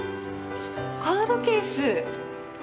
カードケース。